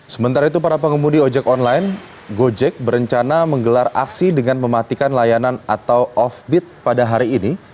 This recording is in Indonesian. sementara itu para pengemudi ojek online gojek berencana menggelar aksi dengan mematikan layanan atau off bit pada hari ini